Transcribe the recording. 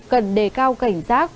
cần đề cao cảnh giác